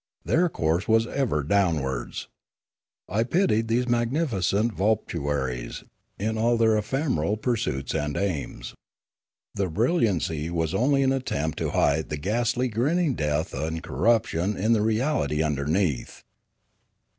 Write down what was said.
Their course was ever downwards. I pitied these magnificent voluptuaries, in all their ephemeral pursuits and aims. The brilliancy was only an attempt to hide the ghastly grinning of death and corruption in the reality underneath.